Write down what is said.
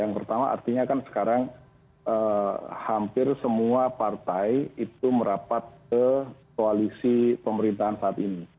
yang pertama artinya kan sekarang hampir semua partai itu merapat ke koalisi pemerintahan saat ini